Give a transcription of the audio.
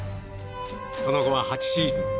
その後は８シーズン